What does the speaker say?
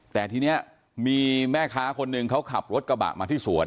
แต่ทีนี้มีแม่ค้าคนหนึ่งเขาขับรถกระบะมาที่สวน